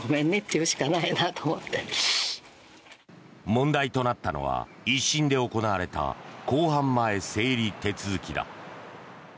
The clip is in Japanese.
問題となったのは１審で行われた公判前整理手続きだ。